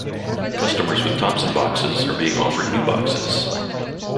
Customers with Thomson boxes are being offered New boxes.